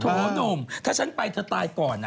หนุ่มถ้าฉันไปเธอตายก่อนนะ